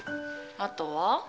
あとは？